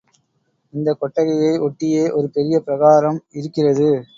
இந்தக் கொட்டகையை ஒட்டியே ஒரு பெரிய பிராகாரம் இருக்கிறது.